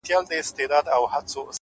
پوهه د انسان ستره شتمني ده،